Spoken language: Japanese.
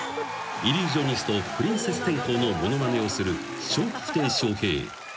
イリュージョニストプリンセス天功のものまねをする笑福亭笑瓶］